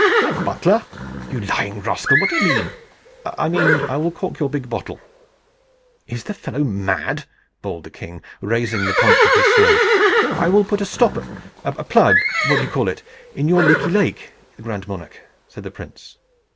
"My butler! you lying rascal? What do you mean?" "I mean, I will cork your big bottle." "Is the fellow mad?" bawled the king, raising the point of his sword. "I will put a stopper plug what you call it, in your leaky lake, grand monarch," said the prince.